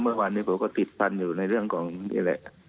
เมื่อวานนี้ผมก็ติดพันธุ์อยู่ในเรื่องของนี่แหละ